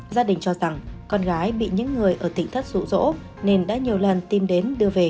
gia đình cho rằng con gái bị những người ở tỉnh thất rụ rỗ nên đã nhiều lần tìm đến đưa về